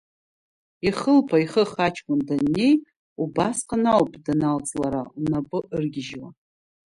Ихылԥа ихых аҷкәын даннеи, убасҟан ауп даналҵ лара, лнапы ыргьежьуа…